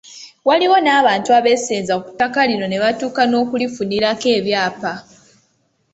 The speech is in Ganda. Waliwo n'abantu abeesenza ku ttaka lino nebatuuka n'okulifunako ebyapa.